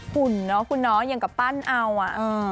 หุ่นเนอะคุณเนาะอย่างกับปั้นเอาอ่ะ